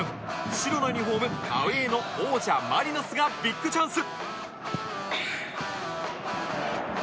白のユニホームアウェーの王者マリノスがビッグチャンス